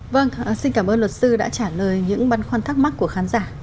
vâng xin cảm ơn luật sư đã trả lời những băn khoăn thắc mắc của khán giả